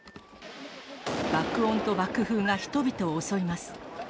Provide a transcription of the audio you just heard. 爆音と爆風が人々を襲います。